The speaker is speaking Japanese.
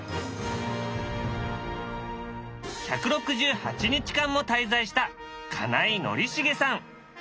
１６８日間も滞在した金井宣茂さん。